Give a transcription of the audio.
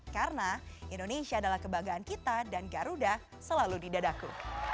karena indonesia adalah kebanggaan kita dan garuda selalu di dadaku